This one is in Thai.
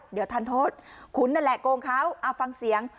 เดี๋ยวทันโทษคุณนั่นแหละโกงเขาเอาฟังเสียง